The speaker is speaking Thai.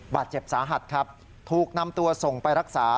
บาดเจ็บสาหัสครับถูกนำตัวส่งไปรักษา